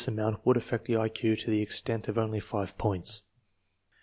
amount would affect the I Q to the extent of only 5 points.